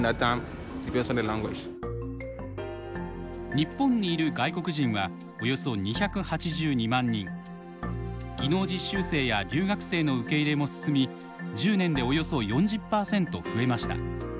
日本にいる技能実習生や留学生の受け入れも進み１０年でおよそ４０％増えました。